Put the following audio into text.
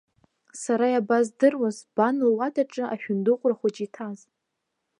Сара иабаздыруаз бан луадаҿы ашәындыҟәра хәыҷы иҭаз?